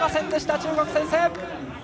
中国、先制！